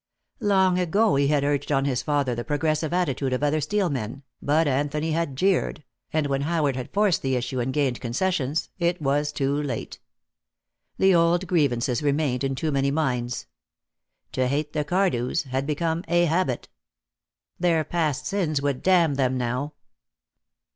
Long ago he had urged on his father the progressive attitude of other steel men, but Anthony had jeered, and when Howard had forced the issue and gained concessions, it was too late. The old grievances remained in too many minds. To hate the Cardews bad become a habit. Their past sins would damn them now.